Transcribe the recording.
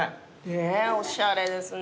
ねえおしゃれですね。